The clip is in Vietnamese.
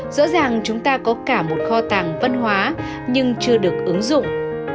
rõ ràng chúng ta có cả một kho tàng văn hóa nhưng chưa được ứng dụng